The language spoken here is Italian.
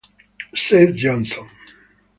Seth Johnson